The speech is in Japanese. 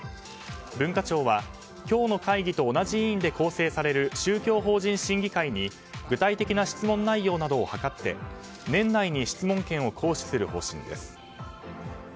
文化庁は今日の会議と同じ委員で構成される宗教法人審議会に具体的な質問内容などを図って年内に質問権を行使する方針です。